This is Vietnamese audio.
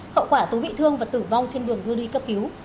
hậu quả tú bị thương và tử vong trên đường đưa đi cấp cứu